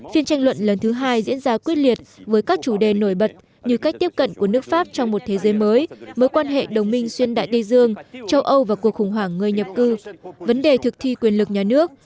phiên tranh luận lần thứ hai diễn ra quyết liệt với các chủ đề nổi bật như cách tiếp cận của nước pháp trong một thế giới mới mối quan hệ đồng minh xuyên đại tây dương châu âu và cuộc khủng hoảng người nhập cư vấn đề thực thi quyền lực nhà nước